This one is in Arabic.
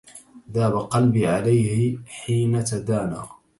ذاب قلبي عليه حين تدانى